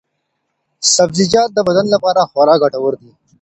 سبزیجات د بدن لپاره خورا ګټور دي.